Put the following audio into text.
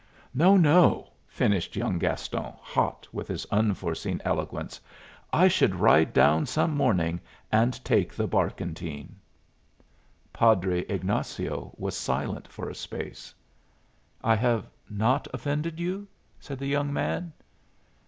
No, no!" finished young Gaston, hot with his unforeseen eloquence; "I should ride down some morning and take the barkentine." Padre Ignazio was silent for a space. "I have not offended you?" said the young man.